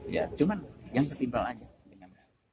ya cuma yang setimpal aja dengan